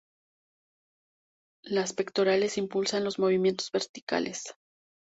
Las pectorales impulsan los movimientos verticales.